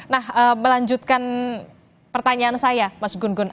nah melanjutkan pertanyaan saya mas gun gun